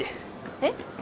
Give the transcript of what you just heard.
えっ？